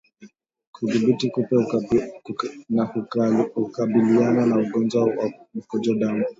Kudhibiti kupe hukabiliana na ugonjwa wa mkojo damu